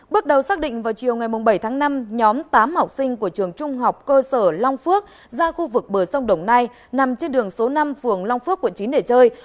bước đầu xác định vào chiều ngày bảy tháng năm nhóm tám học sinh của trường trung học cơ sở long phước ra khu vực bờ sông đồng nai nằm trên đường số năm phường long phước quận chín để chơi